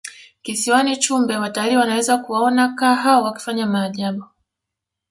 kisiwani chumbe watalii wanaweza kuwaona kaa hao wakifanya maajabu